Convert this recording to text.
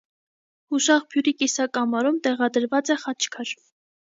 Հուշաղբյուրի կիսակամարում տեղադրված է խաչքար։